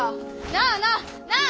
なあなあなあ！